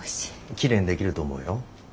きれいにできると思うよ。